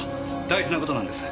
大事な事なんです。